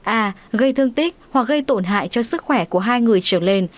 a gây thương tích hoặc gây tổn hại cho sức khỏe của hai người trở lên